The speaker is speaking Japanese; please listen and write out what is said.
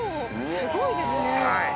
すごいですね。